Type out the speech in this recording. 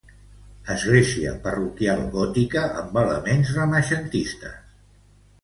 Església parroquial gòtica amb elements renaixentistes.